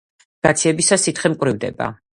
გაცივებისას სითხე მკვრივდება.